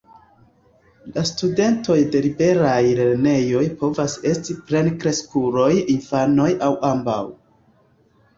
La studentoj de liberaj lernejoj povas esti plenkreskuloj, infanoj aŭ ambaŭ.